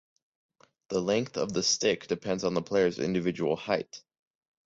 The length of the stick depends on the player's individual height.